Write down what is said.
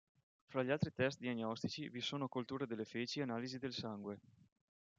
Fra gli altri test diagnostici vi sono colture delle feci e analisi del sangue.